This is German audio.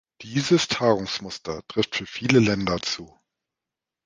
Dieses Tagungsmuster trifft für viele Länder zu.